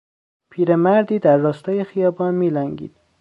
پیر مردی در راستای خیابان میلنگید.